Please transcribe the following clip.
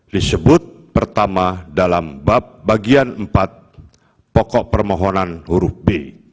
disebut pertama dalam bab bagian empat pokok permohonan huruf b